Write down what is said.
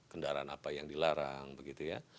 kendaraan apa yang dilarang begitu ya